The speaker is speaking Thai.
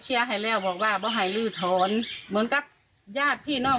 เรียกให้แล้วบอกว่าแบบว่าให้ลือถอนเหมือนกับญาติพี่นอก